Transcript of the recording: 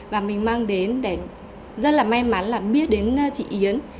và mình mang đến để rất là may mắn là biết đến chị yến